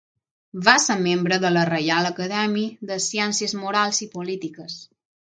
Va ser membre de la Reial Acadèmia de Ciències Morals i Polítiques.